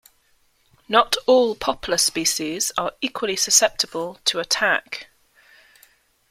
Not all poplar species are equally susceptible to attack.